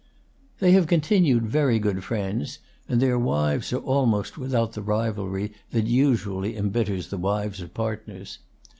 They have continued very good friends, and their wives are almost without the rivalry that usually embitters the wives of partners.